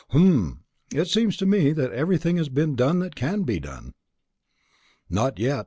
"Humph! Then it seems to me that everything has been done that can be done." "Not yet.